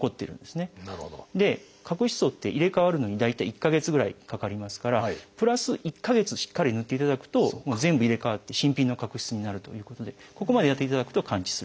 角質層って入れ代わるのに大体１か月ぐらいかかりますからプラス１か月しっかりぬっていただくと全部入れ代わって新品の角質になるということでここまでやっていただくと完治する。